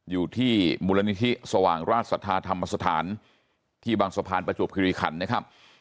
อยู่ที่มูลนิธิสว่างราชสัทธาธรรมสถานที่บางสะพานประจวบคิริขันนะครับ